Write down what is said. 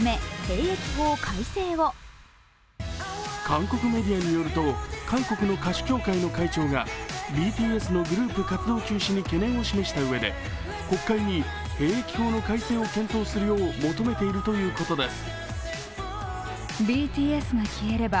韓国メディアによると韓国の歌手協会の会長がＢＴＳのグループ活動休止に懸念を示したうえで、国会に兵役法の改正を検討するよう求めているということです。